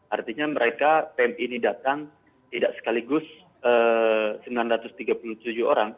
artinya mereka pmi ini datang tidak sekaligus sembilan ratus tiga puluh tujuh orang